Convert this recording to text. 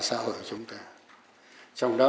xã hội của chúng ta trong đó